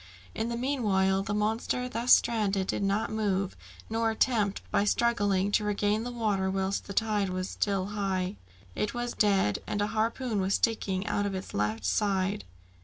In the meanwhile, the monster thus stranded did not move, nor attempt by struggling to regain the water whilst the tide was still high. It was dead, and a harpoon was sticking out of its left side.